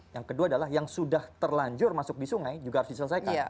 yang kedua adalah yang sudah terlanjur masuk di sungai juga harus diselesaikan